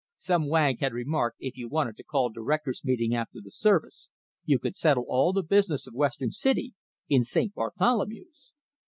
Some wag had remarked if you wanted to call directors' meeting after the service, you could settle all the business of Western City in St. Bartholomew's!